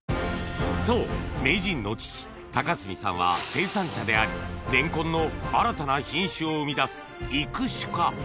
そう名人の父孝澄さんは生産者でありレンコンの新たな品種を生み出す育種家